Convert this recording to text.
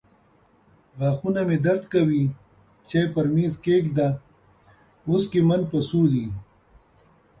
غاښونه مې درد کوي. چای پر مېز کښېږده. وڅکې من په څو دي.